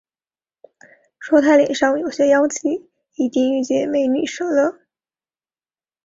说他脸上有些妖气，一定遇见“美女蛇”了